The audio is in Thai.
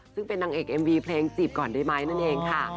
ซึ่งเป็นนางเอกเอ็มวีเพลงจีบก่อนได้ไหมนั่นเองค่ะ